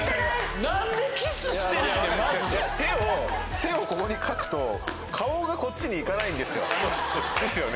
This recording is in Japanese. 手をここに描くと顔がこっちに行かないんですよ。ですよね？